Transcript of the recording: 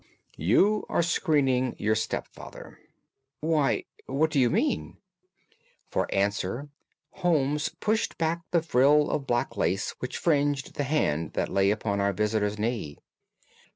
You are screening your stepfather." "Why, what do you mean?" For answer Holmes pushed back the frill of black lace which fringed the hand that lay upon our visitor's knee.